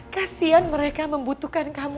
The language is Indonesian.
kasian mereka membutuhkan kamu